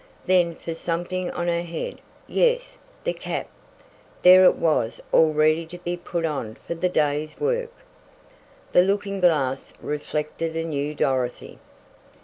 Then for something on her head. Yes! the cap, there it was all ready to be put on for the day's work. The looking glass reflected a new Dorothy!